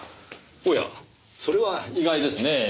おやそれは意外ですねぇ。